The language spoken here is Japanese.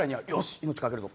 命かけるぞ！